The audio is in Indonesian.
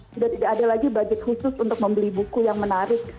sudah tidak ada lagi budget khusus untuk membeli buku yang menarik